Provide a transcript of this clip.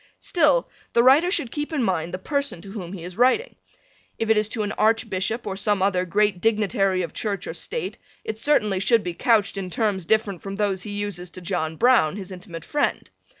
Still the writer should keep in mind the person to whom he is writing. If it is to an Archbishop or some other great dignitary of Church or state it certainly should be couched in terms different from those he uses to John Browne, his intimate friend.